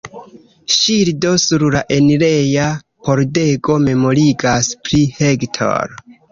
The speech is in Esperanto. Ŝildo sur la enireja pordego memorigas pri Hector.